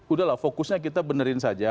udahlah fokusnya kita benerin saja